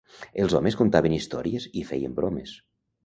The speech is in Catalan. Els homes contaven històries i feien bromes.